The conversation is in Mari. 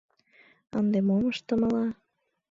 — Ынде мом ыштымыла?